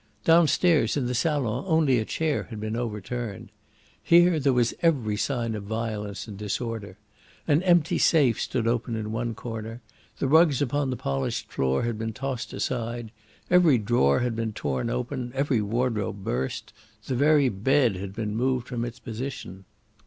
Downstairs, in the salon, only a chair had been overturned. Here there was every sign of violence and disorder. An empty safe stood open in one corner; the rugs upon the polished floor had been tossed aside; every drawer had been torn open, every wardrobe burst; the very bed had been moved from its position.